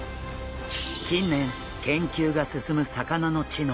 近年研究が進む魚の知能。